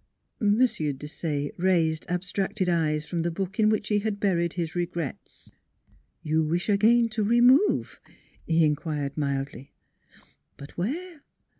" M. Desaye raised abstracted eyes from the book in which he had buried his regrets. "You wish again to remove?" he inquired mildly ;" but where